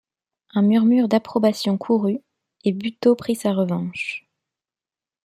Un murmure d’approbation courut, et Buteau prit sa revanche.